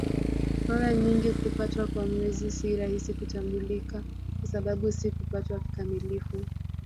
Mara nyingi kupatwa kwa Mwezi si rahisi kutambulika kwa sababu si kupatwa kikamilifu.